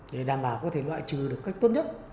để đảm bảo có thể loại trừ được cách tốt nhất